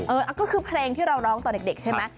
เออก็คือเพลงที่เราร้องตอนเด็กใช่ไหม